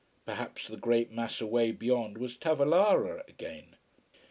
Perhaps the great mass away beyond was Tavolara again.